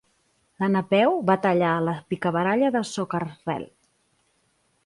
La Napeu va tallar la picabaralla de soca-rel.